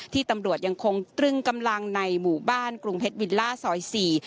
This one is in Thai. ตำรวจยังคงตรึงกำลังในหมู่บ้านกรุงเพชรวิลล่าซอยสี่